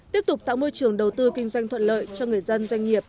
tiếp tục tạo môi trường đầu tư kinh doanh thuận lợi cho người dân doanh nghiệp